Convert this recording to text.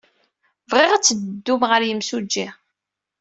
Bɣiɣ ad teddum ɣer yimsujji.